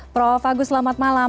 prof agus selamat malam